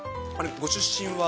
ご出身は？